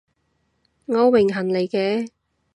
我榮幸嚟嘅